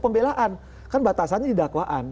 pembelaan kan batasannya di dakwaan